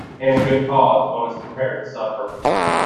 In a good cause one is prepared to suffer.